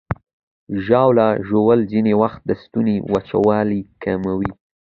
ژاوله ژوول ځینې وخت د ستوني وچوالی کموي.